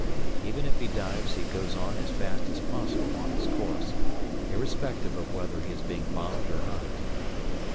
Even if he dives he goes on as fast as possible on his course, irrespective of whether he is being bombed or not.